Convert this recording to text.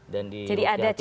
jadi ada chat itu ya